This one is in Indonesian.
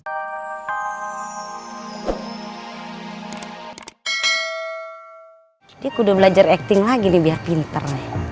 jadi aku udah belajar acting lagi nih biar pinter